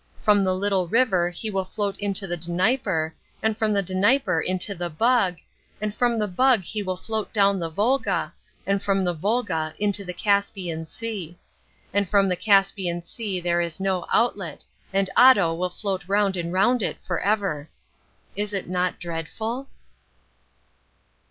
From the little river he will float into the Dnieper, and from the Dnieper into the Bug, and from the Bug he will float down the Volga, and from the Volga into the Caspian Sea. And from the Caspian Sea there is no outlet, and Otto will float round and round it for ever. Is it not dreadful?